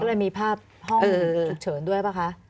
ก็เลยมีภาพห้องฉุกเฉินด้วยป่ะคะ